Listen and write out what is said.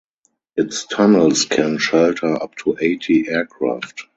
Its tunnels can shelter up to eighty aircraft.